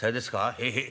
へえへえ。